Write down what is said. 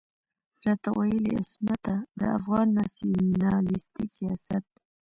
راته ويل يې عصمته د افغان ناسيوناليستي سياست.